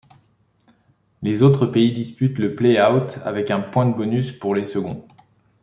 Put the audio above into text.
Les autres disputent le play-out avec un point de bonus pour les seconds.